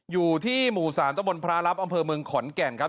อยู่ที่หมู่๓ตะบนพระรับอำเภอเมืองขอนแก่นครับ